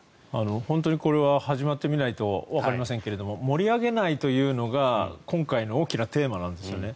本当にこれは始まってみないとわかりませんが盛り上げないというのが今回の大きなテーマなんです。